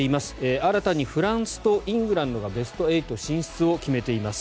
新たにフランスとイングランドがベスト８進出を決めています。